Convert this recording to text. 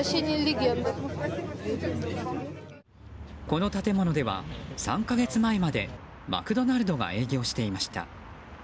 この建物では３か月前までマクドナルドが営業していました。